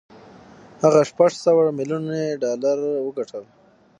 هغه شپږ سوه ميليون يې ډالر وګټل.